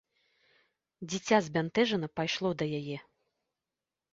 Дзіця збянтэжана пайшло да яе.